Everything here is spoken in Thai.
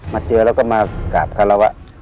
มาเจอแล้วก็มากราบคารวะ